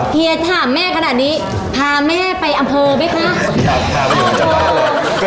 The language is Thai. ที่ถามแม่ขนาดนี้พาแม่ไปอำโพเซียไหมค่ะ